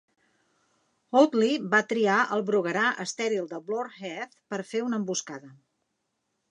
Audley va triar el bruguerar estèril de Blore Heath per fer una emboscada.